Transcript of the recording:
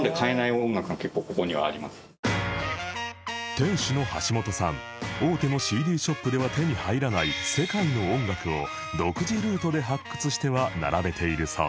店主の橋本さん大手の ＣＤ ショップでは手に入らない世界の音楽を独自ルートで発掘しては並べているそう